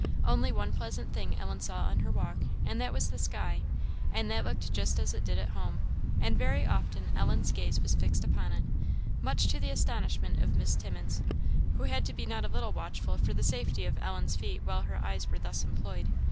Only one pleasant thing Ellen saw on her walk, and that was the sky; and that looked just as it did at home; and very often Ellen's gaze was fixed upon it, much to the astonishment of Miss Timmins, who had to be not a little watchful for the safety of Ellen's feet while her eyes were thus employed.